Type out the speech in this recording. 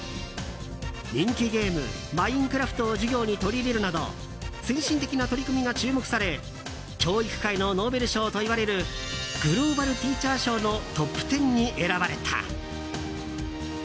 人気ゲーム「マインクラフト」を授業に取り入れるなど先進的な取り組みが注目され教育界のノーベル賞といわれるグローバルティーチャー賞のトップ１０に選ばれた。